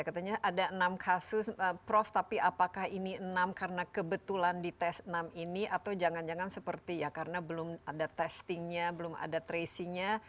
katanya ada enam kasus prof tapi apakah ini enam karena kebetulan di tes enam ini atau jangan jangan seperti ya karena belum ada testingnya belum ada tracingnya